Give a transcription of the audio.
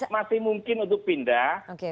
masih mungkin untuk pindah